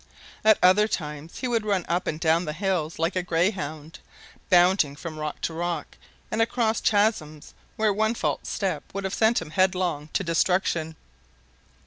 At other times he would run up and down the bills like a greyhound, bounding from rock to rock, and across chasms where one false step would have sent him headlong to destruction.